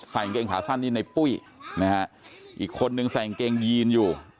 ใส่กางขาสั้นนี้ในปุ้ยอีกคนนึงใส่กางเยนอยู่